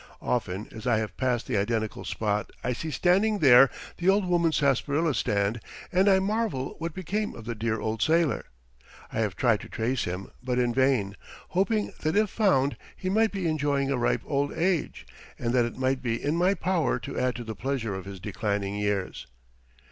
Often as I have passed the identical spot I see standing there the old woman's sarsaparilla stand, and I marvel what became of the dear old sailor. I have tried to trace him, but in vain, hoping that if found he might be enjoying a ripe old age, and that it might be in my power to add to the pleasure of his declining years.